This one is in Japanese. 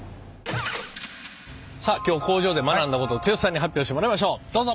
さあ今日工場で学んだことを剛さんに発表してもらいましょうどうぞ。